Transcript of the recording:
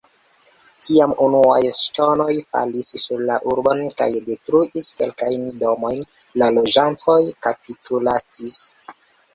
Kiam unuaj ŝtonoj falis sur la urbon kaj detruis kelkajn domojn, la loĝantoj kapitulacis.